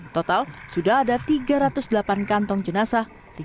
total sudah ada tiga ratus delapan kantong jenazah